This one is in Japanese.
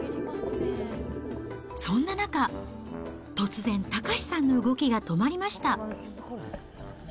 そんな中、突然、岳さんの動きが止まりました。